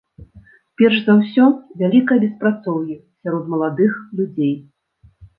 Перш за ўсё, вялікае беспрацоўе сярод маладых людзей.